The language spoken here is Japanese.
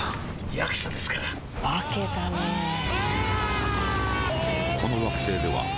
役者ですから化けたねうわーーー！